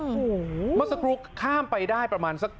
เมื่อสักครู่ข้ามไปได้ประมาณสัก